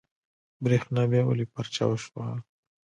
برېښنا بيا ولې پرچاو شوه؟